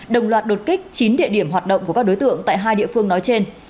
đồng loạt đột kích chín địa điểm hoạt động của các đối tượng tại hai địa phương nói trên